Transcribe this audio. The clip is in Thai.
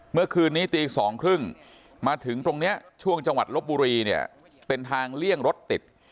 เมื่อคืนนี้ตี๒๓๐มาถึงตรงนี้ช่วงจังหวัดลบบุรีเนี่ยเป็นทางเลี่ยงรถติด